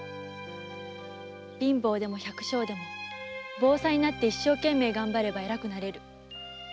貧乏でも百姓でも坊さんになって一生懸命がんばれば偉くなれる。